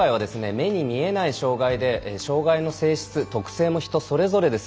目に見えない障がいで障がいの性質特性も人それぞれです。